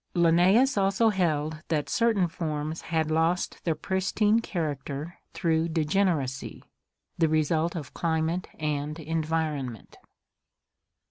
Linnaeus also held that certain forms had lost their pristine character through degeneracy — the result of climate and environ ment.